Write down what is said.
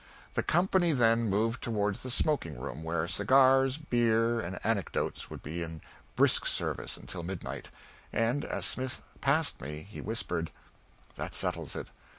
The company then moved toward the smoking room, where cigars, beer and anecdotes would be in brisk service until midnight, and as Smith passed me he whispered, "That settles it.